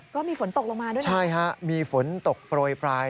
ก็มีฝนตกลงมาด้วยนะใช่ฮะมีฝนตกโปรยปลาย